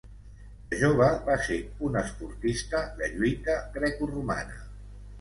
De jove va ser un esportista de lluita grecoromana.